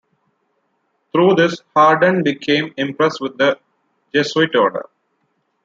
Through this Hardon became impressed with the Jesuit order.